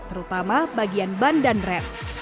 terutama bagian ban dan rem